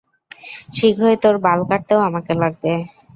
শীঘ্রই তোর বাল কাটতেও আমাকে লাগবে।